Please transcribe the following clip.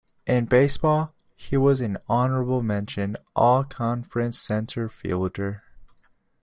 In baseball, he was an Honorable Mention All-Conference center fielder.